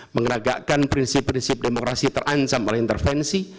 meneragakkan prinsip prinsip demokrasi terancam oleh intervensi